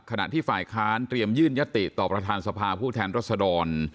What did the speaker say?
ขณะที่ฝ่ายค้านเตรียมยื่นยติต่อประธานสภาผู้แทนรัศดร